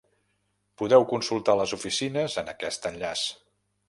Podeu consultar les oficines en aquest enllaç.